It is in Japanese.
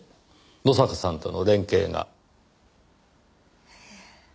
野坂さんとの連携が。